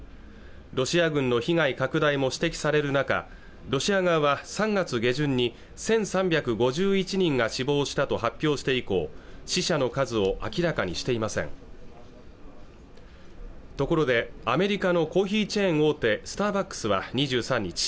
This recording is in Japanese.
ロシア軍の被害拡大も指摘される中ロシア側は３月下旬に１３５１人が死亡したと発表して以降死者の数を明らかにしていませんところでアメリカのコーヒーチェーン大手スターバックスは２３日